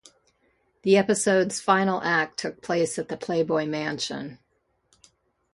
The episode's final act took place at the Playboy Mansion.